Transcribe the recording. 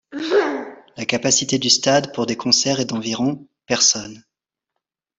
La capacité du stade pour des concerts est d'environ personnes.